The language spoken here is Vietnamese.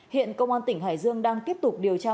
hiện công an tỉnh hải dương đang tiếp tục nghiên cứu